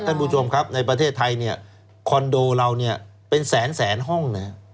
ท่านผู้ชมครับในประเทศไทยคอนโดเราเป็นแสนแสนห้อง